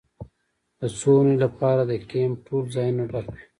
د څو اونیو لپاره د کیمپ ټول ځایونه ډک وي